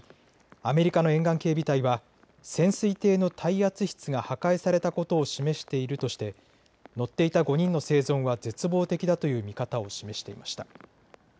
アメリカの沿岸警備隊は潜水艇の耐圧室が破壊されたことを示しているとして乗っていた５人の生存は絶望的だという見方を示していました。